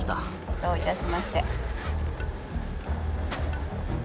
どういたしまして。